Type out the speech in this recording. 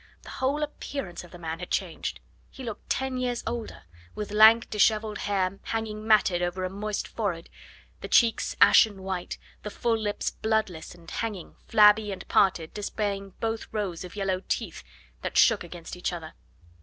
The whole appearance of the man had changed. He looked ten years older, with lank, dishevelled hair hanging matted over a moist forehead, the cheeks ashen white, the full lips bloodless and hanging, flabby and parted, displaying both rows of yellow teeth that shook against each other.